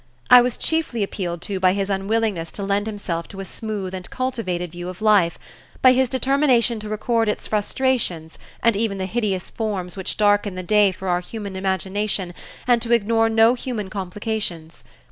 I was chiefly appealed to by his unwillingness to lend himself to a smooth and cultivated view of life, by his determination to record its frustrations and even the hideous forms which darken the day for our human imagination and to ignore no human complications.